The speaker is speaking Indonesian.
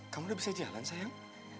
kamu udah bisa jalan sayang